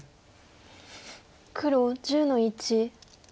黒１０の一。